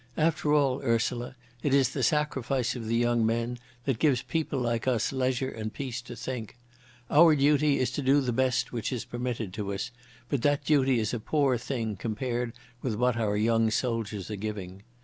After all, Ursula, it is the sacrifice of the young that gives people like us leisure and peace to think. Our duty is to do the best which is permitted to us, but that duty is a poor thing compared with what our young soldiers are giving!